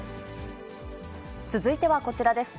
続いてはこちらです。